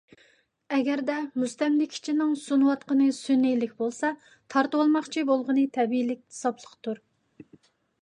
ئەگەردە مۇستەملىكىچىنىڭ سۇنۇۋاتقىنى سۈنئىيلىك بولسا، تارتىۋالماقچى بولغىنى تەبىئىيلىك، ساپلىقتۇر.